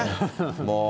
もう。